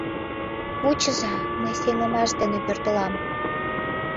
Вучыза, мый сеҥымаш дене пӧртылам.